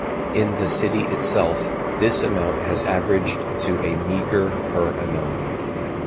In the city itself, this amount has averaged to a meagre per annum.